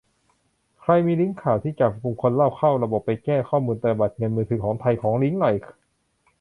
ใครมีลิงก์ข่าวที่จับกุมคนลอบเข้าระบบไปแก้ข้อมูลบัตรเติมเงินมือถือ ของไทย ขอลิงก์หน่อย